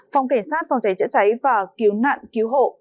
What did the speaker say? phòng cảnh sát phòng cháy chữa cháy và cứu nạn cứu hộ